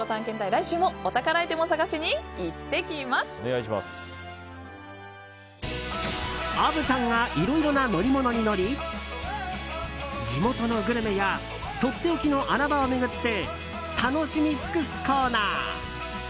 来週もお宝アイテムを探しに虻ちゃんがいろいろな乗り物に乗り地元のグルメやとっておきの穴場を巡って楽しみ尽くすコーナー。